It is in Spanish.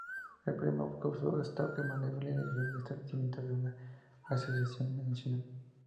El problema causado Stoke Mandeville exigió el establecimiento de una asociación nacional.